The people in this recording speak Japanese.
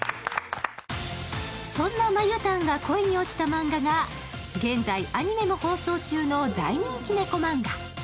そんなまゆたんが恋に落ちたマンガがアニメも放送中の大人気猫漫画。